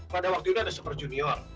pada waktu itu ada super junior